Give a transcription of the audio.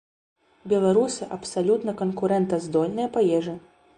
Беларусы абсалютна канкурэнтаздольныя па ежы.